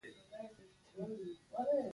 مړه ته د راحت روح غواړو